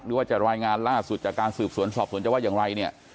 หรือว่าจะรายงานล่าสุดจากการสืบสวนสอบสวนจะว่าอย่างไรเนี่ย